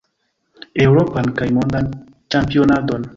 Eŭropan kaj Mondan Ĉampionadon.